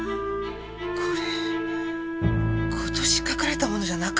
これ今年書かれたものじゃなかったんだわ。